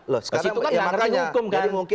loh di situ kan dianggap hukum kan